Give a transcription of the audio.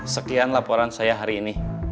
sekian laporan saya hari ini